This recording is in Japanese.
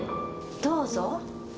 どうぞ。